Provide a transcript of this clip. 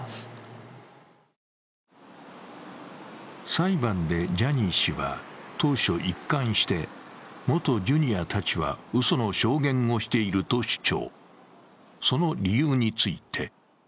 裁判でジャニー氏は、当初一貫して元ジュニアたちは、うその証言をしていると主張。